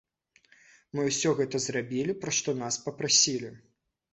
Мы ўсё гэта зрабілі, пра што нас папрасілі.